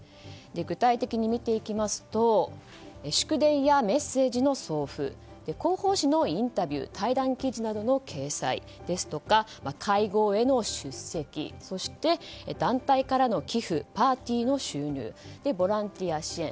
具体的に見ていきますと祝電やメッセージの送付広報紙のインタビュー対談記事などの掲載ですとか会合への出席そして団体からの寄付パーティーの収入ボランティア支援。